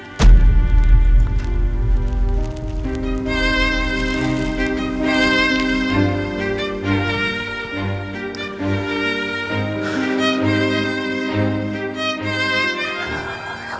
nino marah besar sama elsa sekarang